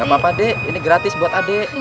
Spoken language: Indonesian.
gak apa apa ade ini gratis buat adik